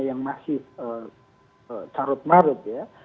yang masih carut marut ya